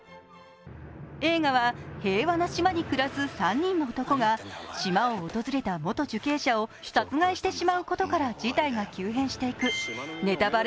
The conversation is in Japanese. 映画は平和な島に暮らす３人の男が島を訪れた元受刑者を殺害してしまうことから事態が急変していくネタバレ